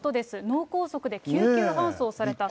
脳梗塞で救急搬送された。